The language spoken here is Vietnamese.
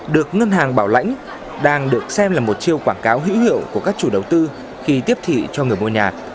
được ngân hàng bảo lãnh đang được xem là một chiêu quảng cáo hữu hiệu của các chủ đầu tư khi tiếp thị cho người mua nhà